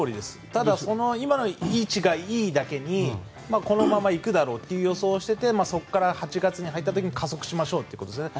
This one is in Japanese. ただ、今の位置がいいだけにこのまま行くだろうと予想はしていてそこから８月に入った時加速しましょうということですね。